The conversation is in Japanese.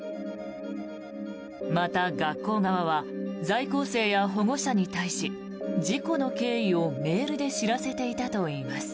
また、学校側は在校生や保護者に対し事故の経緯を、メールで知らせていたといいます。